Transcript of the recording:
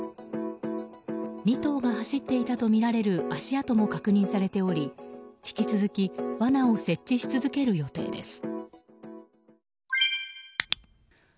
２頭が走っていたとみられる足跡も確認されており引き続きわなを設置し続ける予定です。